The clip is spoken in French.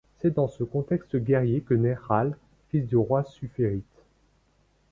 C'est dans ce contexte guerrier que naît Ral, fils du roi de Supherite.